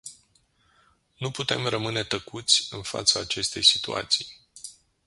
Nu putem rămâne tăcuți în fața acestei situații.